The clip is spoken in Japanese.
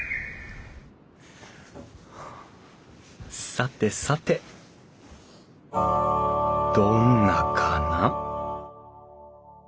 さてさてどんなかな？